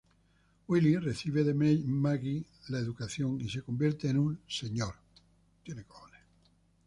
Willie recibe de Maggie la educación y se convierte en un Señor.